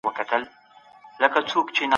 آيا په ټولنه کي فرهنګي دودونه مراعات کيږي؟